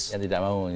yang tidak mau